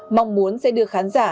mong muốn sẽ đưa khán giả